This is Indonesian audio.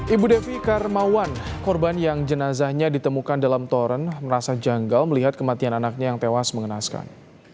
ibu devi karmawan korban yang jenazahnya ditemukan dalam toren merasa janggal melihat kematian anaknya yang tewas mengenaskan